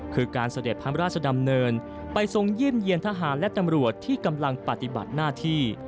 คือการเสด็จพระราชดำเนินไปทรงเยี่ยมเยี่ยนทหารและตำรวจที่กำลังปฏิบัติหน้าที่